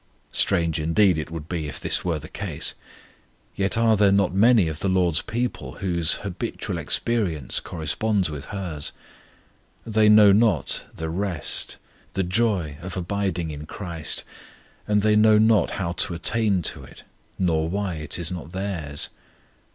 Strange indeed it would be if this were the case. Yet are there not many of the LORD'S people whose habitual experience corresponds with hers? They know not the rest, the joy of abiding in CHRIST; and they know not how to attain to it, nor why it is not theirs.